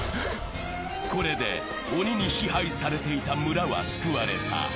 これで鬼に支配されていた村は救われた。